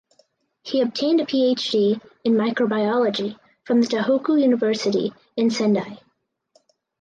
He obtained PhD in microbiology from the Tohoku University in Sendai.